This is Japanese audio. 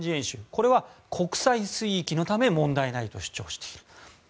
これは国際水域のため問題ないと主張している。